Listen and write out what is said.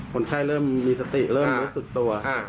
คนไข้เริ่มมีสติเริ่มรู้สึกตัว